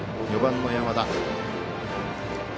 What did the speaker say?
４番の山田。